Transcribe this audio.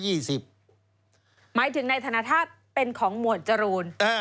หมายถึงในธนทัศน์เป็นของหมวดจรูน